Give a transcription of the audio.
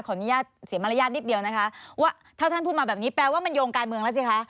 อนุญาตเสียมารยาทนิดเดียวนะคะว่าถ้าท่านพูดมาแบบนี้แปลว่ามันโยงการเมืองแล้วสิคะ